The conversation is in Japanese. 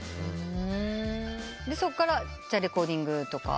そっからレコーディングとか？